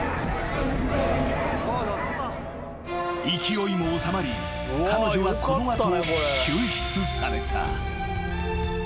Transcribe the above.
［勢いも収まり彼女はこの後救出された］